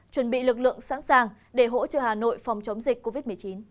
chuẩn bị lực lượng sẵn sàng để hỗ trợ hà nội phòng chống dịch covid một mươi chín